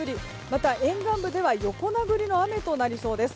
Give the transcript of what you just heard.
また、沿岸部では横殴りの雨となりそうです。